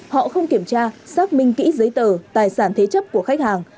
họ không kiểm tra xác minh kỹ giấy tờ tài sản thế chấp của khách hàng